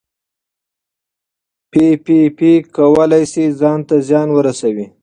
پي پي پي کولی شي ځان ته زیان ورسوي.